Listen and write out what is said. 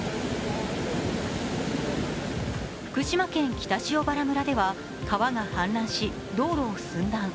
福島県北塩原村では川が氾濫し道路を寸断。